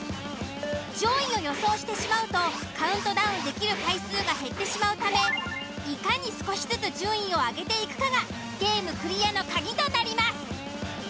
上位を予想してしまうとカウントダウンできる回数が減ってしまうためいかに少しずつ順位を上げていくかがゲームクリアの鍵となります。